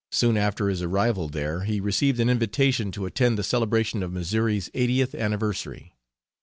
Soon after his arrival there he received an invitation to attend the celebration of Missouri's eightieth anniversary.